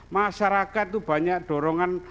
masyarakat itu banyak dorongan